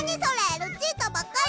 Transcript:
ルチータばっかり！